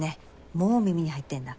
もう耳に入ってんだ。